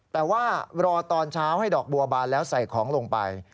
แต่ว่ารอตอนเช้าให้ดอกบัวบานแล้วใส่ของลงไป